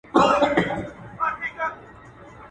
عدالت یې هر سړي ته وو منلی.